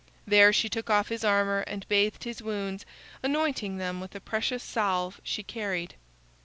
There she took off his armor and bathed his wounds, anointing them with a precious salve she carried.